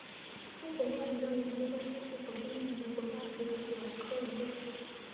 中国外语教育研究中心是首批命名的国家级重点文科研究基地。